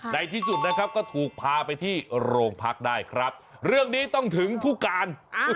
ในที่สุดนะครับก็ถูกพาไปที่โรงพักได้ครับเรื่องนี้ต้องถึงผู้การ